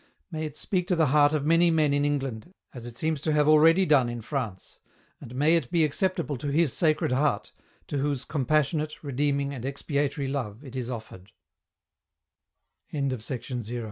May it speak to the heart of many men in England as it seems to have already done in France, and may it be acceptable to His Sacred Heart to whose com passionate, redeeming, and expiatory